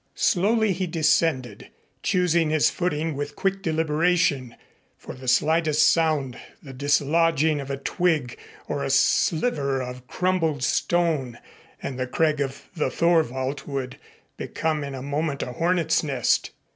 Slowly he descended, choosing his footing with quick deliberation, for the slightest sound, the dislodging of a twig or a sliver of crumbled stone and the crag of the Thorwald would become in a moment a hornet's nest.